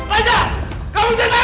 raja kamu jatuh